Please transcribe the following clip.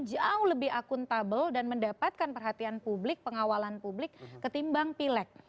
jauh lebih akuntabel dan mendapatkan perhatian publik pengawalan publik ketimbang pileg